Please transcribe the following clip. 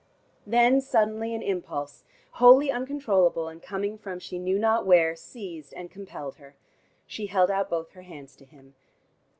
Then suddenly an impulse, wholy uncontrollable, and coming from she knew not where, seized and compelled her. She held out both her hands to him.